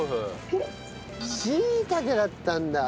しいたけだったんだ！